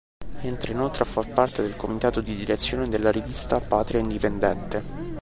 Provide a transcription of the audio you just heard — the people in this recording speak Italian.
Entra inoltre a far parte del Comitato di Direzione della rivista “Patria Indipendente”.